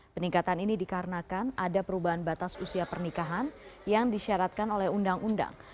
peningkatan ini dikarenakan ada perubahan batas usia pernikahan yang disyaratkan oleh undang undang